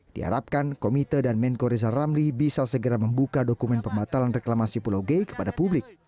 diharapkan komite dan menko rizal ramli bisa segera membuka dokumen pembatalan reklamasi pulau g kepada publik